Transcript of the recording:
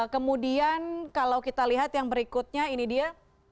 kemudian kalau kita lihat yang berikutnya ini dia